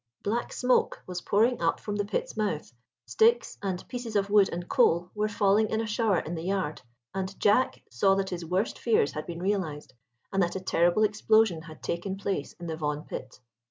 Black smoke was pouring up from the pit's mouth, sticks and pieces of wood and coal were falling in a shower in the yard; and Jack saw that his worst fears had been realized, and that a terrible explosion had taken place in the Vaughan pit.